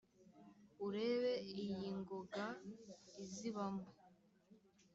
Urebe iy‘ingoga izibamo,